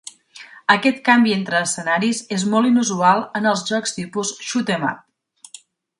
Aquest canvi entre escenaris és molt inusual en els jocs tipus "shoot 'em up".